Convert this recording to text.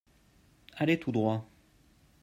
Allez tout droit.